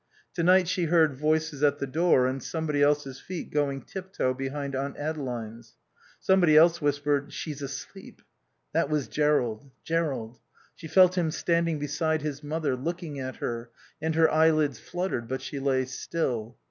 To night she heard voices at the door and somebody else's feet going tip toe behind Aunt Adeline's. Somebody else whispered "She's asleep." That was Jerrold. Jerrold. She felt him standing beside his mother, looking at her, and her eyelids fluttered; but she lay still.